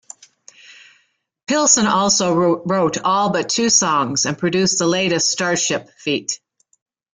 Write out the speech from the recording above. Pilson also wrote all but two songs and produced the latest Starship feat.